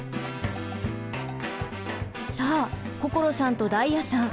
さあ心さんと太哉さん